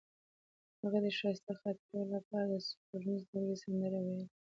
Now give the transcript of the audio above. هغې د ښایسته خاطرو لپاره د سپوږمیز لرګی سندره ویله.